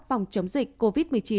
phòng chống dịch covid một mươi chín